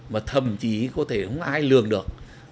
mà thậm chí có thể không ai lường được